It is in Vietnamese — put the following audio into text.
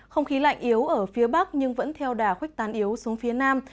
không khí lạnh yếu ở phía bắc nhưng vẫn theo đà khuếch tán yếu xuống phía nam